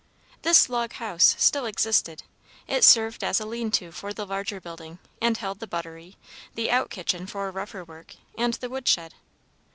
This log house still existed. It served as a lean to for the larger building, and held the buttery, the "out kitchen" for rougher work, and the woodshed.